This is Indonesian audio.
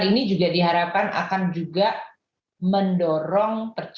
ini adalah wujud penghargaan